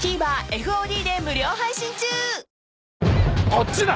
こっちだ。